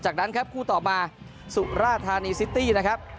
จากนั้นครับคู่ต่อมาสุราธานีซิตี้นะครับ